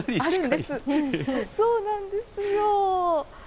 そうなんですよ。